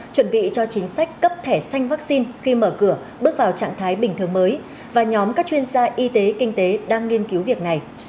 chuẩn bị cho chính sách cấp thẻ xanh vaccine khi mở cửa bước vào trạng thái bình thường mới và nhóm các chuyên gia y tế kinh tế đang nghiên cứu việc này